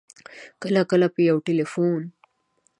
کله کله په یو ټېلفون